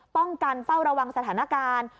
ป้องกันเฝ้าระวังสถานการณ์